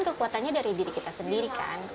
kekuatannya dari diri kita sendiri kan